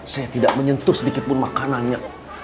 saya tidak menyentuh sedikitpun makanannya